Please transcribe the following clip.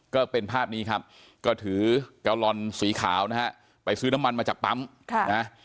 ก็เป็นภาพนี้ครับก็ถือกาลอนสีขาวนะฮะไปซื้อน้ำมันมาจากปั๊มค่ะนะ